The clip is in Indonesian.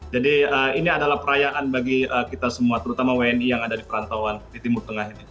jadi ini adalah perayaan bagi kita semua terutama wni yang ada di perantauan di timur tengah ini